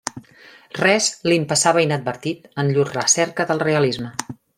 Res li'n passava inadvertit en llur recerca del realisme.